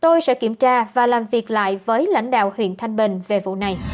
tôi sẽ kiểm tra và làm việc lại với lãnh đạo huyện thanh bình về vụ này